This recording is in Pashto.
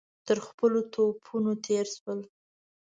تر خپلو توپونو تېر شول.